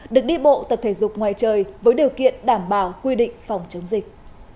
được đi bộ tập thể dục ngoài trời với điều kiện đảm bảo quy định phòng chống dịch